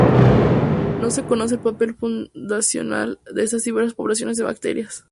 No se conoce el papel funcional de esta diversa población de bacterias.